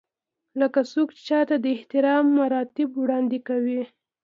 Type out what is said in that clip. لکه څوک چې چاته د احترام مراتب وړاندې کوي.